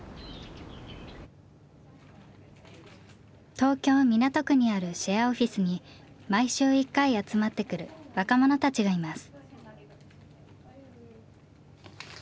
東京・港区にあるシェアオフィスに毎週１回集まってくる若者たちがいます。